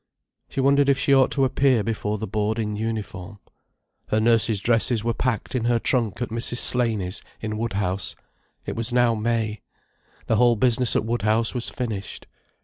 She wondered if she ought to appear before the board in uniform. Her nurse's dresses were packed in her trunk at Mrs. Slaney's, in Woodhouse. It was now May. The whole business at Woodhouse was finished.